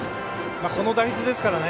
この打率ですからね